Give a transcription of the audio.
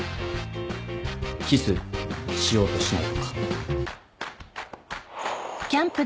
キスしようとしないとか。